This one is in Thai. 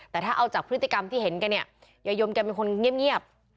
แต่ถ้าเอาจากพฤติกรรมที่เห็นแกเนี่ยยายยมแกเป็นคนเงียบ